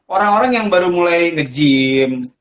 orang orang yang baru mulai nge gym